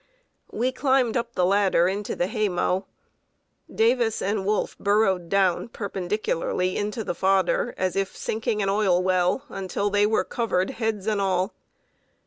We climbed up the ladder into the hay mow. Davis and Wolfe burrowed down perpendicularly into the fodder, as if sinking an oil well, until they were covered, heads and all.